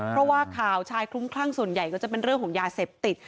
เพราะว่าข่าวชายคลุ้มคลั่งส่วนใหญ่ก็จะเป็นเรื่องของยาเสพติด